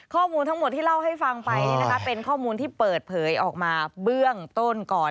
ข้อมูลทั้งหมดที่เล่าให้ฟังไปเป็นข้อมูลที่เปิดเผยออกมาเบื้องต้นก่อน